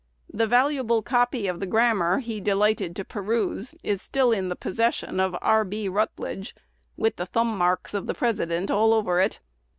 The "valuable copy" of the grammar "he delighted to peruse" is still in the possession of R. B. Rutledge, with the thumb marks of the President all over it.